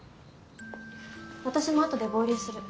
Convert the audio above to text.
私もあとで合流する。